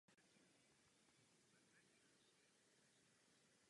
Řadu let píše recenze a biografie pro server Allmusic.